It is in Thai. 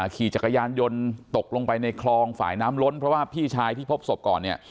ขี่จักรยานยนต์ตกลงไปในคลองฝ่ายน้ำล้นเพราะว่าพี่ชายที่พบศพก่อนเนี่ย